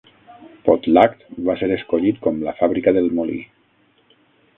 Potlatch va ser escollit com la fàbrica del molí.